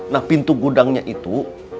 nah pintu gudangnya itu